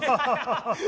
ハハハ！